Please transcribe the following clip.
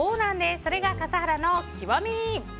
それが笠原の極み。